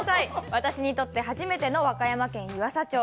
私にとって初めての和歌山県湯浅町。